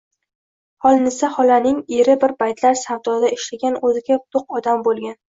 Xolnisa xolaning eri bir paytlar savdoda ishlagan o`ziga to`q odam bo`lgan